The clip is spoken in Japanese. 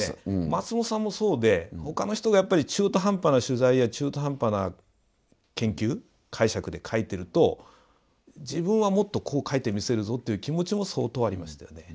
松本さんもそうで他の人がやっぱり中途半端な取材や中途半端な研究解釈で書いてると自分はもっとこう書いてみせるぞという気持ちも相当ありましたよね。